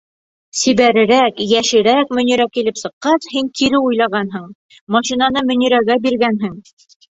Сибәрерәк, йәшерәк Мөнирә килеп сыҡҡас, һин кире уйлағанһың, машинаны Мөнирәгә биргәнһең!